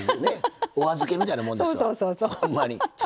お預けみたいなもんですわ。